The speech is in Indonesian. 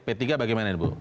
p tiga bagaimana ibu